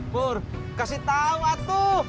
pur kasih tau atu